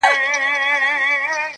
• ځكه له يوه جوړه كالو سره راوتـي يــو.